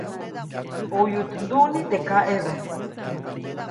ʼOyuʼt nduʼni teʼ kaʼebä.